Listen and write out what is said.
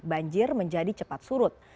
banjir menjadi cepat surut